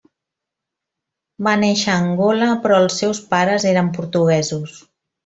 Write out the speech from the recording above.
Va néixer a Angola però els seus pares eren portuguesos.